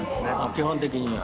基本的には。